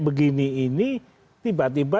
begini ini tiba tiba